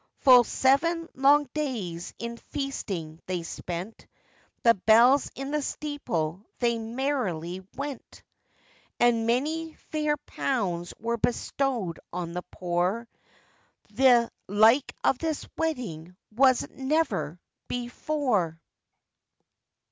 Full seven long days in feasting they spent; The bells in the steeple they merrily went, And many fair pounds were bestowed on the poor,— The like of this wedding was never before!